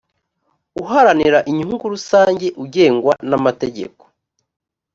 uharanira inyungu rusange ugengwa n amategeko